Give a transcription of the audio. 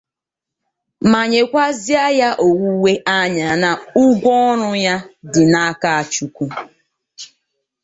ma nyekwazie ya owuwe anya na ụgwọ ọrụ ya dị n'aka Chukwu